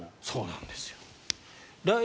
そうなんですよ。